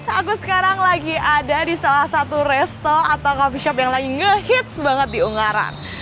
hai guys aku sekarang lagi ada di salah satu resto atau coffee shop yang lagi nge hits banget di ungaran